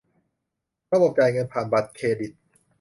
ระบบจ่ายเงินผ่านบัตรเครดิต